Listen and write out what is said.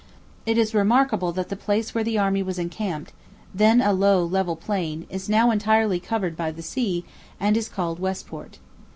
It is remarkable that the place where the army was encamped, then a low level plain, is now entirely covered by the sea, and is called Westport.